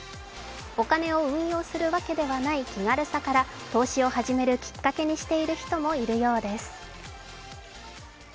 お金を運用するわけではない気軽さから投資を始めるきっかけにしている人もいるようです。